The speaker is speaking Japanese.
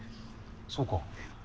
そうか。